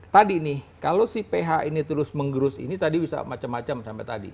tadi nih kalau si ph ini terus menggerus ini tadi bisa macam macam sampai tadi